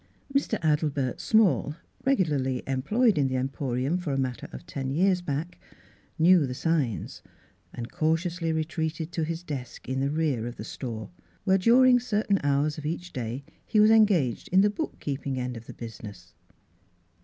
Mr. Adelbert Small, regularly employed in the Emporium for a matter of ten years back, knew the signs and cautiously retreated to his desk in the rear of the store, where during certain hours of each day he was engaged in the book keeping end of the business.